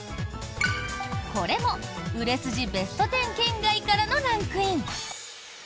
これも売れ筋ベスト１０圏外からのランクイン。